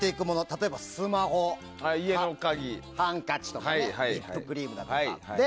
例えば、スマホ、ハンカチとかリップクリームだとか。